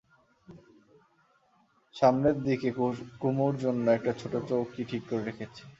সামনের দিকে কুমুর জন্যে একটা ছোটো চৌকি ঠিক করে রেখেছে।